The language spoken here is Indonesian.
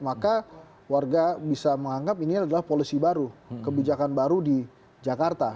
maka warga bisa menganggap ini adalah polisi baru kebijakan baru di jakarta